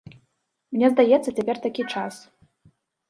Мне здаецца, цяпер такі час.